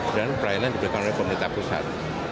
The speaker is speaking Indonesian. dan pelayanan yang diberikan oleh pemerintah pusat